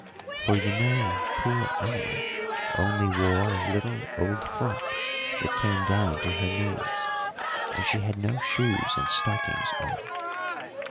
"For you know poor Alma only wore a little old frock that came down to her knees, and she had no shoes and stockings on.